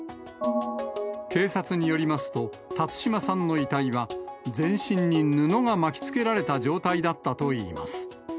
警察によりますと、辰島さんの遺体は、全身に布が巻きつけられた状態だったといいます。